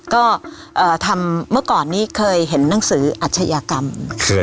ก็เอ่อทำเมื่อก่อนนี้เคยเห็นหนังสืออัชยากรรมเคยครับ